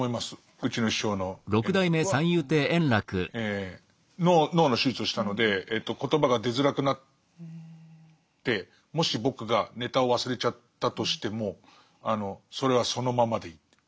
うちの師匠の円楽は脳の手術をしたので言葉が出づらくなってもし僕がネタを忘れちゃったとしてもそれはそのままでいいって。